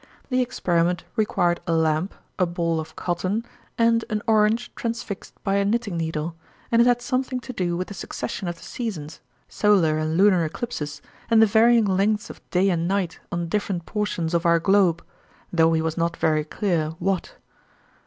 The experiment required a lamp, a ball of cotton, and an orange trans fixed by a knitting needle, and it had some thing to do with the succession of the seasons, solar and lunar eclipses, and the varying lengths of day and night on different portions of our globe, though he was not very clear what.